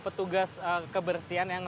petugas kebersihan yang